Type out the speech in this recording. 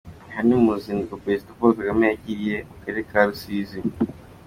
Aha ni mu ruzinduko Perezida Paul Kagame yari yagiriye mu karere ka Rusizi.